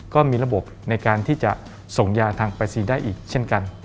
ก็มีระบบในการที่จะส่งยาทางปรายศนีย์ได้อีกเช่นกัน